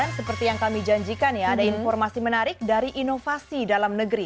seperti yang kami janjikan ya ada informasi menarik dari inovasi dalam negeri